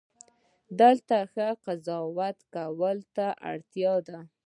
دلته ښه قضاوت کولو ته اړتیا ده.